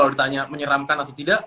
kalau ditanya menyeramkan atau tidak